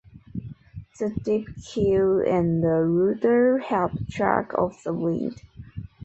The deep keel and rudder help track off the wind.